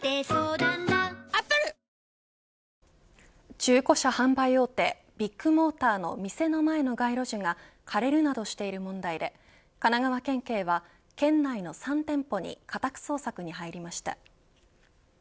中古車販売大手ビッグモーターの店の前の街路樹が枯れるなどしている問題で神奈川県警は、県内の３店舗に家宅捜索に入りました。